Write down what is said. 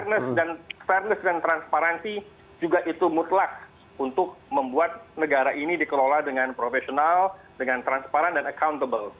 karena fairness dan transparansi juga itu mutlak untuk membuat negara ini dikelola dengan profesional dengan transparan dan accountable